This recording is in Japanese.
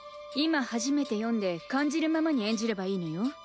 今初めて読んで感じるままに演じればいいのよ。